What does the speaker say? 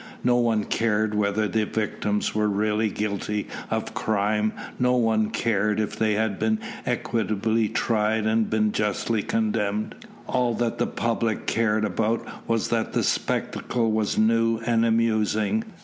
No one cared whether the victims were really guilty of crime, no one cared if they had been equitably tried and been justly condemned, all that the public cared about was that the spectacle was new and amusing.